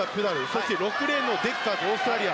もしくは６レーンのデッカーズオーストラリア